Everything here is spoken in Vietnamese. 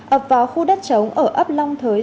ở vào khu đất trống ở ấp long thới